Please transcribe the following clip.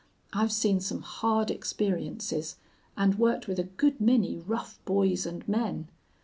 I've seen some hard experiences and worked with a good many rough boys and men.